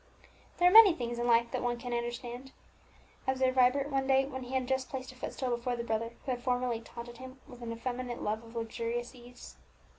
"There are many things in life that one can't understand," observed Vibert one day, when he had just placed a footstool before the brother who had formerly taunted him with an effeminate love of luxurious ease.